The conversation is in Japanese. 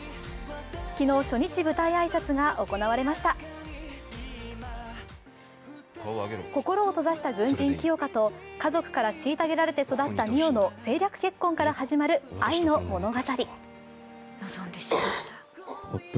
昨日、初日舞台挨拶が行われました心を閉ざした軍人・清霞と家族から虐げられて育った美世の政略結婚から始まる愛の物語。